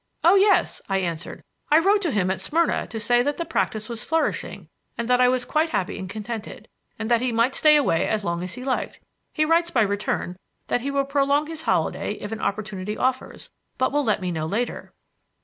"Oh, yes," I answered. "I wrote to him at Smyrna to say that the practise was flourishing and that I was quite happy and contented, and that he might stay away as long as he liked. He writes by return that he will prolong his holiday if an opportunity offers, but will let me know later."